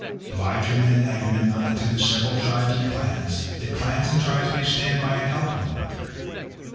Divide your men, Agamemnon, into their several tribes and clans, that clans and tribes may stand by and help one another.